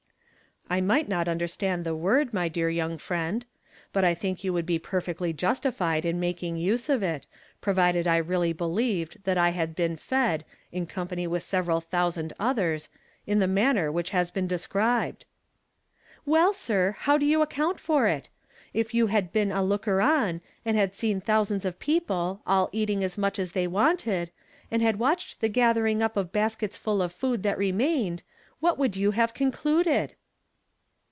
*^ I might not undei stand the word, my dear young friend ; but I think you woidd be perfectly justilied in making use of it, provided I really believed that I had been fed, in company with several thousand others, in the maimer which has been described." " Well, sir, how would you account for it? If you had been a looker on, and had seen thou sands of people, all eating as much as they wanted, and had watched the gathering up of baskets full of food that remained, \yhat would 3'ou have concluded?"